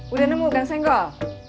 udah nemu gang senggol